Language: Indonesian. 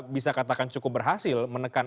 bisa katakan cukup berhasil menekan